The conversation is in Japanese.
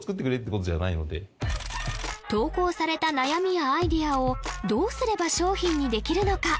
何か投稿された悩みやアイデアをどうすれば商品にできるのか？